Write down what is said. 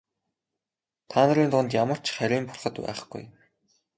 Та нарын дунд ямар ч харийн бурхад байхгүй.